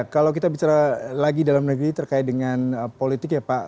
kalau kita bicara lagi dalam negeri terkait dengan politik ya pak